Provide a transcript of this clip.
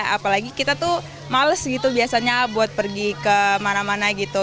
apalagi kita tuh males gitu biasanya buat pergi kemana mana gitu